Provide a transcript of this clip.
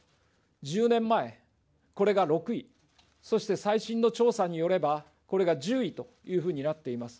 １０年前、これが６位、そして最新の調査によれば、これが１０位というふうになっています。